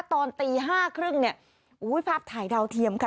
ตอนตี๕๓๐เนี่ยอุ้ยภาพถ่ายดาวเทียมค่ะ